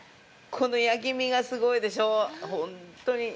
この焼き目がすごいでしょう？